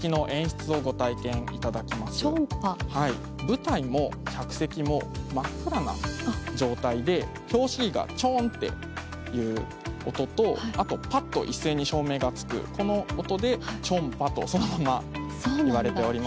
舞台も客席も真っ暗な状態で拍子木がチョン！っていう音とあとパッ！と一斉に照明がつくこの音で「ちょんぱ」とそのままいわれております。